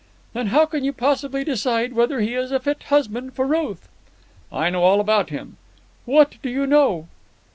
"Then how can you possibly decide whether he is a fit husband for Ruth?" "I know all about him." "What do you know?"